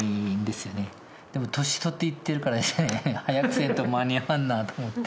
でも年を取っていってるからですね早くせんと間に合わんなと思って。